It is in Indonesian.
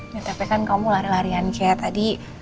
ya tapi kan kamu lari larian kayak tadi